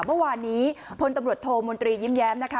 เมื่อวานนี้พลตำรวจโทมนตรียิ้มแย้มนะคะ